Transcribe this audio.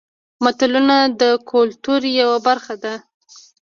متلونه د کولتور یوه برخه ده